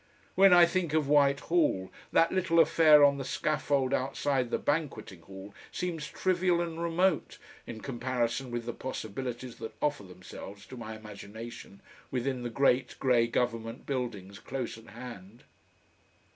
When I think of Whitehall that little affair on the scaffold outside the Banqueting Hall seems trivial and remote in comparison with the possibilities that offer themselves to my imagination within the great grey Government buildings close at hand.